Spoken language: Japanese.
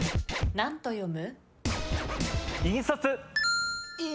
何と読む？